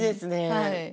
はい。